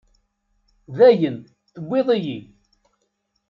Dayen, tewwiḍ-iyi.